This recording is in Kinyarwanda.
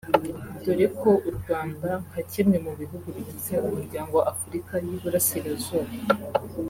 dore ko u Rwanda nka kimwe mu bihugu bigize umuryango wa Afurika y’Iburasirazuba